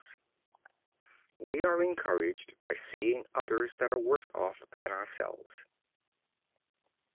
We are encouraged by seeing others that are worse off than ourselves.